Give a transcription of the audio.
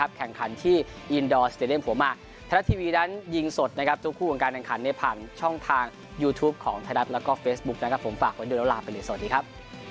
แข่งขันที่อินดอร์สเตรียมผัวมาไทยรัฐทีวีนั้นยิงสดนะครับทุกคู่ของการแข่งขันในผ่านช่องทางยูทูปของไทยรัฐแล้วก็เฟซบุ๊คนะครับผมฝากไว้ด้วยแล้วลาไปเลยสวัสดีครับ